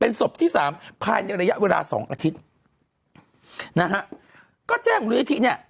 ศพที่สามภายในระยะเวลาสองอาทิตย์นะฮะก็แจ้งมูลนิธิเนี่ย